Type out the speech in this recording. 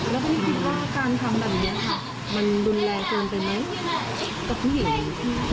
แล้วก็ไม่คิดว่าการทำแบบนี้ค่ะมันรุนแรงเกินไปไหมกับผู้หญิง